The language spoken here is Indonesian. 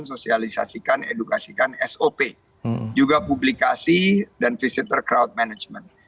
sosialisasikan edukasikan sop juga publikasi dan visitor crowd management